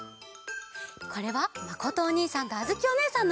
これはまことおにいさんとあづきおねえさんのえ。